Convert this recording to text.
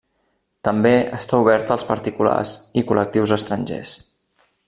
També està oberta als particulars i col·lectius estrangers.